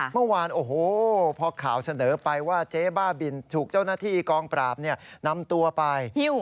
เมื่อวานโอ้โหพอข่าวเสนอไปว่าเจ๊บ้าบินถูกเจ้าหน้าที่กองปราบนำตัวไป